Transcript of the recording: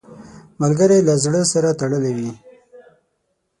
ملګری له زړه سره تړلی وي